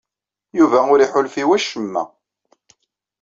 Yuba ur iḥulfa i wacemma.